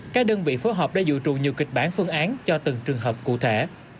các đơn vị phối hợp đã dự trù nhiều kịch bản phương án cho từng trường hợp cụ thể